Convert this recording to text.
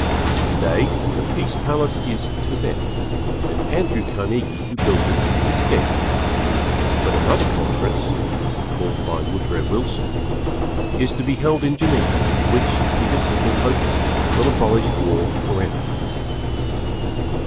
Today the Peace Palace is to let and Andrew Carnegie, who built it, is dead, but another Conference (called by Woodrow Wilson) is to be held in Geneva which, Peter Simple hopes, will abolish War forever.